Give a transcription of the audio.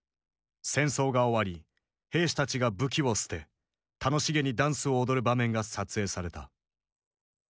戦争が終わり兵士たちが武器を捨て楽しげにダンスを踊る場面が撮影された。